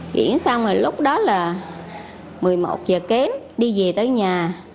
chuyển xong rồi lúc đó là một mươi một h kém đi về tới nhà